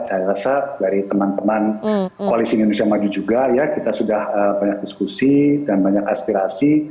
saya rasa dari teman teman koalisi indonesia maju juga ya kita sudah banyak diskusi dan banyak aspirasi